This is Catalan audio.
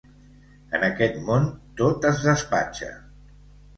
En aquest món tot es despatxa.